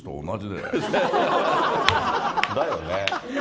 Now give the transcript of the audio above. だよね。